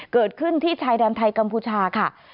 เกิดขึ้นที่ชายแดนไทยกัมพูชาค่ะ